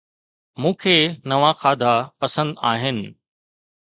مون کي نوان کاڌا پسند آهن